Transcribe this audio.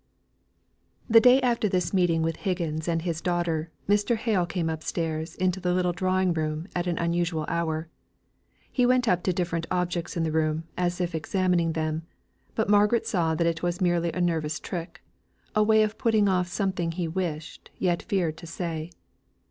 The day after this meeting with Higgins and his daughter Mr. Hale came upstairs into the little drawing room at an unusual hour. He went up to different objects in the room, as if examining them, but Margaret saw that it was merely a nervous trick a way of putting off something he wished, yet feared to say.